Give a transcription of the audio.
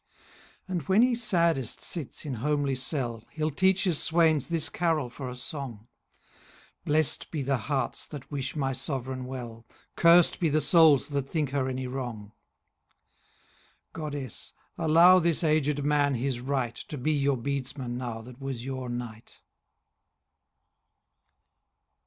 And when he saddest sits in homely cell, He'll teach his swains this carol for a song,— 'Blest be the hearts that wish my sovereign well, 15 Curst be the souls that think her any wrong.' Goddess, allow this agèd man his right To be your beadsman now that was your knight.